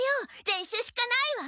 練習しかないわ！